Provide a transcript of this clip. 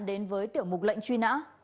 đến với tiểu mục lệnh truy nã